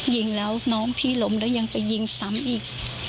ยิงแล้วน้องพี่ล้มแล้วยังไปยิงซ้ำอีก